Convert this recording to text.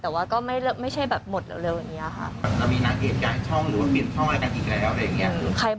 แต่ว่าก็ไม่ใช่หมดเร็วอย่างนี้ค่ะ